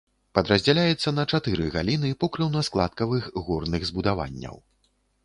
Падраздзяляецца на чатыры галіны покрыўна-складкавых горных збудаванняў.